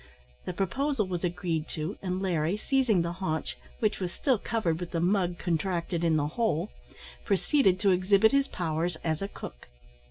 The proposal was agreed to, and Larry, seizing the haunch, which was still covered with the mud contracted in "the hole," proceeded to exhibit his powers as a cook.